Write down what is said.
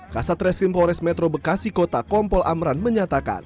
kasat resim forest metro bekasi kota kompol amran menyatakan